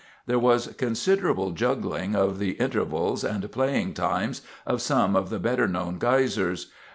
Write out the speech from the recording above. There was considerable juggling of the intervals and playing times of some of the better known geysers.